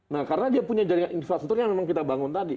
nah karena dia punya jaringan infrastruktur yang memang kita bangun tadi